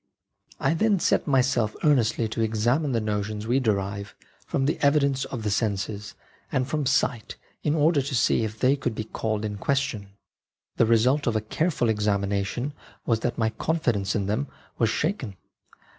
" I then set myself earnestly to examine the notions we derive from the evidence of the senses and from sight in order to see if they could be called in question. The result of a careful exami nation was that my confidence in them was shaken.